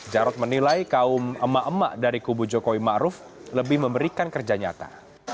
jarod menilai kaum emak emak dari kubu jokowi ma'ruf lebih memberikan kerja nyata